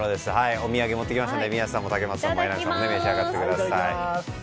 お土産持ってきましたので皆さんで召し上がってください。